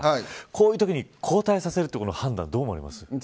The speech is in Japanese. こういうときに交代させる判断はどう思いますか。